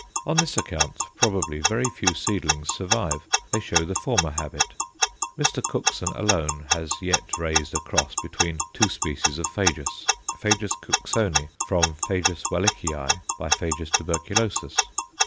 On this account probably very few seedlings survive; they show the former habit. Mr. Cookson alone has yet raised a cross between two species of Phajus Ph. Cooksoni from Ph. Wallichii × Ph. tuberculosus.